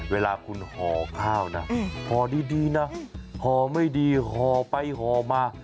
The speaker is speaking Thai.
เวลาคุณห่อข้าวนะห่อดีนะห่อไม่ดีห่อไปห่อมา